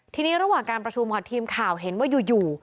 ทีนี้ระหว่างการประชุมค่ะทีมข่าวเห็นว่าอยู่